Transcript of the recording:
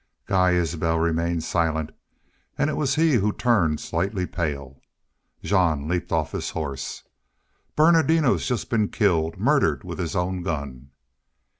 Guy Isbel remained silent and it was he who turned slightly pale. Jean leaped off his horse. "Bernardino has just been killed murdered with his own gun."